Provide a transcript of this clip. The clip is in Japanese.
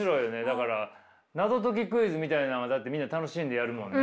だから謎解きクイズみたいなのはだってみんな楽しんでやるもんね。